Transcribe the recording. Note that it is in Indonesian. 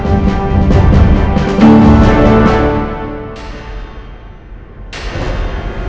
abah kalau begitu urusanku sudah selesai disini